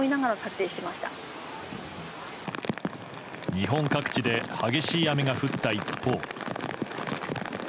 日本各地で激しい雨が降った一方。